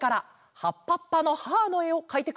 「はっぱっぱのハーッ！」のえをかいてくれました。